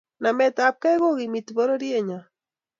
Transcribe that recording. Nametabkei kokimiti bororiet nyo